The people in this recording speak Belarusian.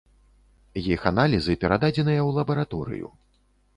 Іх аналізы перададзеныя ў лабараторыю.